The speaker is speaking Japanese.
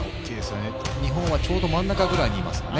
日本はちょうど真ん中くらいにいますかね。